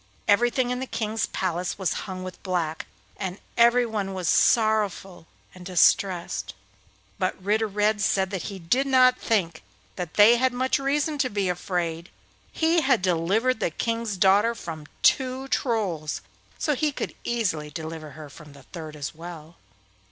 Everything in the King's palace was hung with black, and everyone was sorrowful and distressed; but Ritter Red said that he did not think that they had much reason to be afraid—he had delivered the King's daughter from two Trolls, so he could easily deliver her from the third as well.